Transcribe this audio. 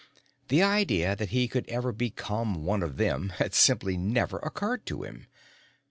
The idea that he could ever become one of them had simply never occurred to him.